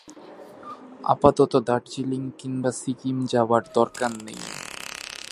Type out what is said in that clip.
আপাতত দার্জিলিং কিংবা সিকিম যাবার দরকার নেই।